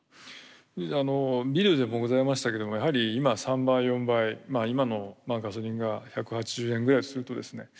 ビデオでもございましたけどもやはり今３倍４倍今のガソリンが１８０円ぐらいするとですね